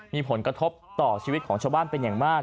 มีผลกระทบต่อชีวิตของชาวบ้านเป็นอย่างมาก